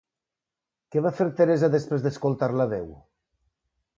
Què va fer Teresa després d'escoltar la veu?